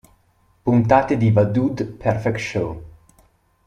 Puntate di The Dude Perfect Show